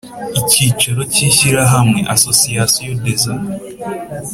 Icyicaro cy Ishyirahamwe Association des